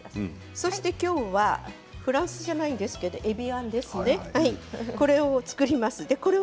そしてきょうはフランスじゃないんですけどねえびあんですね。